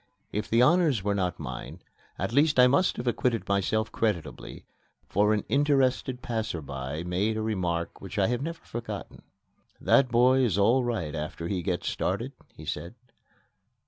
If the honors were not mine, at least I must have acquitted myself creditably, for an interested passer by made a remark which I have never forgotten. "That boy is all right after he gets started," he said.